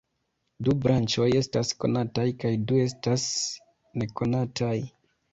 Du branĉoj estas konataj kaj du estas nekonataj.